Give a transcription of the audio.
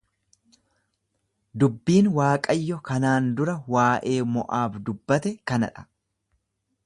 Dubbiin Waaqayyo kanaan dura waa'ee Mo'aab dubbate kana dha.